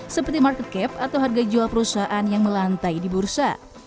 seperti market cap atau harga jual perusahaan yang melantai di bursa